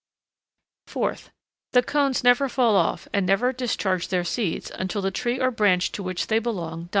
4th. The cones never fall off and never discharge their seeds until the tree or branch to which they belong dies.